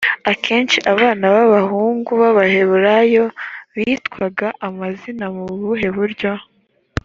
akenshi abana b’abahungu b’abaheburayo bitwaga amazina mu buhe buryo